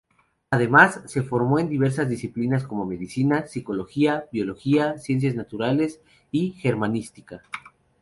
Además, se formó en diversas disciplinas como Medicina, Psicología, Biología, Ciencias Naturales y Germanística.